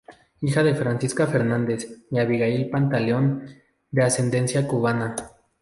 Hija de "Francisca Fernández" y "Abigail Pantaleón" de ascendencia cubana.